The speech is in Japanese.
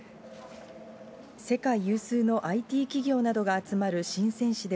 世界有数のＩＴ企業などが集まる深せん